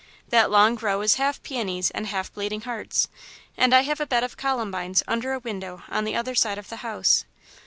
That long row is half peonies and half bleeding hearts, and I have a bed of columbines under a window on the other side of the house.